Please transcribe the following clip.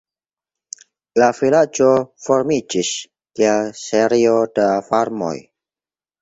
La vilaĝo formiĝis, kiel serio da farmoj.